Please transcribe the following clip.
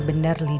ini mendukung saya